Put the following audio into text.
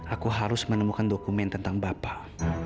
aku harus menemukan dokumen tentang bapak